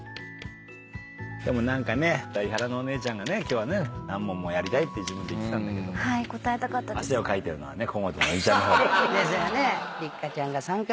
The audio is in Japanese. でも何かね伊原のお姉ちゃんがね今日はね何問もやりたいって自分で言ってたんだけど。ですよね。